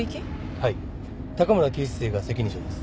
はい高村警視正が責任者です